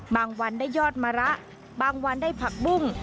วันได้ยอดมะระบางวันได้ผักบุ้ง